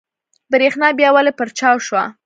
برېښنا بيا ولې پرچاو شوه؟